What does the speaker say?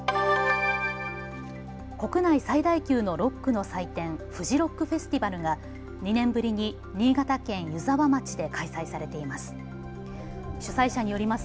国内最大級のロックの祭典、フジロックフェスティバルが２年ぶりに新潟県湯沢町で開催されています。